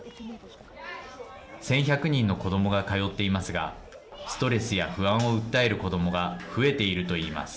１１００人の子どもが通っていますがストレスや不安を訴える子どもが増えているといいます。